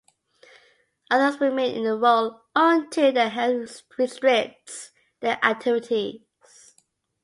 Others remain in the role until their health restricts their activities.